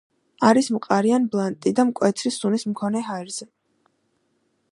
არის მყარი ან ბლანტი და მკვეთრი სუნის მქონე ჰაერზე.